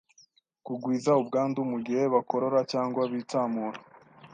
gukwiza ubwandu mu gihe bakorora cyangwa bitsamura,